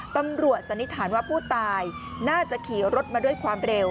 สันนิษฐานว่าผู้ตายน่าจะขี่รถมาด้วยความเร็ว